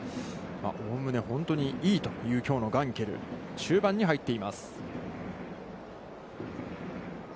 おおむね本当にいいというきょうのガンケル、終盤に入っています。